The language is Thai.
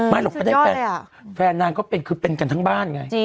หรอกก็ได้แฟนนางก็เป็นคือเป็นกันทั้งบ้านไง